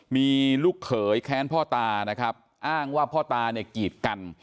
มีลูกเขยแค้นพ่อตานะครับอ้างว่าพ่อตาเนี่ยกีดกัน